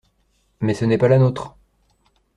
Mais ce n’est pas la nôtre.